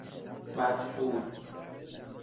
مجهول